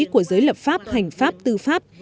của giới lập pháp hành pháp tư pháp